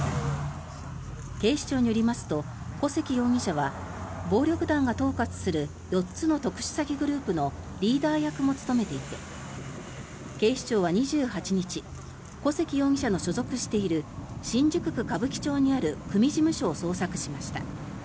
警視庁によりますと古関容疑者は暴力団が統括する４つの特殊詐欺グループのリーダー役も務めていて警視庁は２８日古関容疑者の所属している新宿区歌舞伎町にある組事務所を捜索しました。